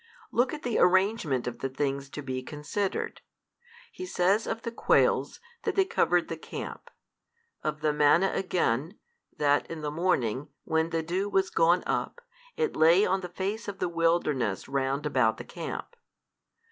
Look at the arrangement of the things to be considered. He says of the quails, that they covered the camp; of the manna again, that |369 in the morning when the dew was gone up, it lay on the face of the wilderness round about the camp.